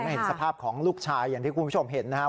เห็นสภาพของลูกชายอย่างที่คุณผู้ชมเห็นนะครับ